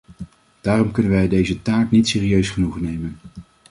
Daarom kunnen wij deze taak niet serieus genoeg nemen.